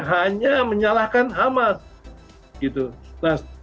hanya menyalahkan hamas